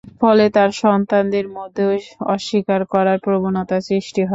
ফলে তাঁর সন্তানদের মধ্যেও অস্বীকার করার প্রবণতা সৃষ্টি হয়।